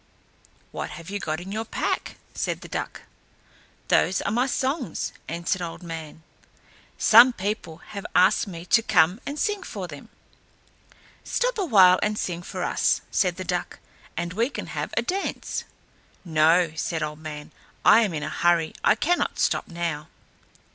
"What have you got in your pack?" said the duck. "Those are my songs," answered Old Man. "Some people have asked me to come and sing for them." "Stop for a while and sing for us," said the duck, "and we can have a dance." "No," said Old Man, "I am in a hurry; I cannot stop now."